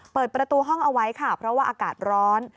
เปิดประตูห้องเอาไว้ค่ะเพราะว่าอากาศร้อน